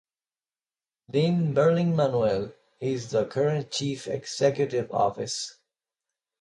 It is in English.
Lynn Berling-Manuel is the current Chief Executive Office.